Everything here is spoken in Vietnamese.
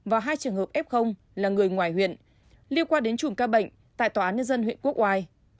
và hai trường hợp f là người ngoài huyện liêu qua đến chủng ca bệnh tại tòa án nhân dân huyện quốc oai